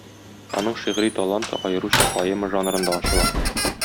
Аның шигъри таланты аеруча поэма жанрында ачыла.